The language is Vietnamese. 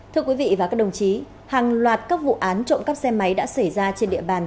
thưa quý vị và các đồng chí hàng loạt các vụ án trộm cắp xe máy đã xảy ra trên địa bàn